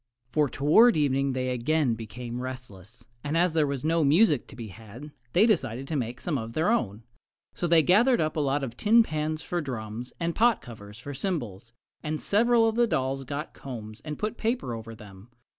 For toward evening they again became restless, and as there was no music to be had they decided to make some of their own. So they gathered up a lot of tin pans for drums and pot covers for cymbals, and several of the dolls got combs and put paper over them.